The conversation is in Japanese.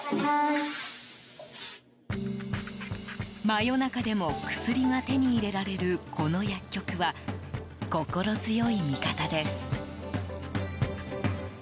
真夜中でも薬が手に入れられるこの薬局は心強い味方です。